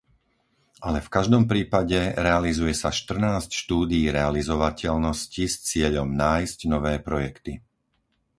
Ale v každom prípade, realizuje sa štrnásť štúdií realizovateľnosti s cieľom nájsť nové projekty.